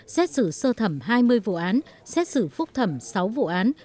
xét xử sơ thẩm hai mươi vụ án xét xử phúc thẩm sáu vụ án